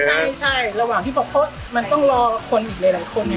ระหว่างปกโฆษณ์มันต้องรอคนอีกหลายคน